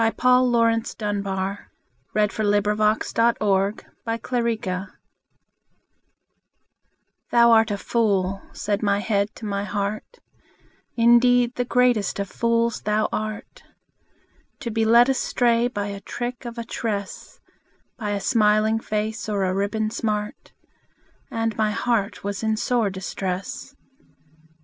Paul Laurence Dunbar Retort THOU art a fool," said my head to my heart, "Indeed, the greatest of fools thou art, To be led astray by trick of a tress, By a smiling face or a ribbon smart;" And my heart was in sore distress.